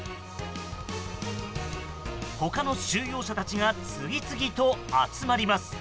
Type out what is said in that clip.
他の収容者たちが次々と集まります。